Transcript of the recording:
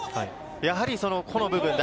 やはり個の部分。